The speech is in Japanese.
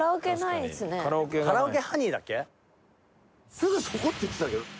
すぐそこって言ってたけど。